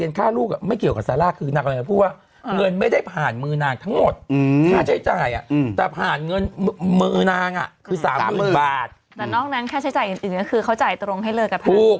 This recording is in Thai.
หนูมีคำถามอีกเนี่ยหนูเอาเงินผัวเก่าไปเลือกผัวใหม่จริงไหมลูก